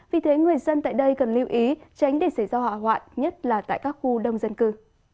vì thế người dân tại đây cần lưu ý tránh để xảy ra hỏa hoạn nhất là tại các khu đông dân cư